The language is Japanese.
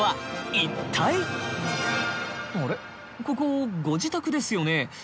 ここご自宅ですよね？